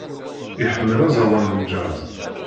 Iḥemmel aẓawan n jazz.